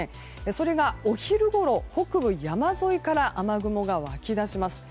それがお昼ごろ、北部山沿いから雨雲が湧き出します。